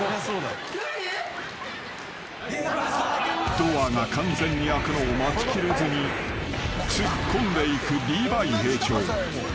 ［ドアが完全に開くのを待ちきれずに突っ込んでいくリヴァイ兵長］